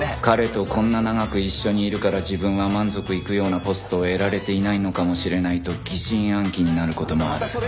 彼とこんなに長く一緒にいるから自分は満足いくようなポストを得られていないのかもしれないと疑心暗鬼になる事もある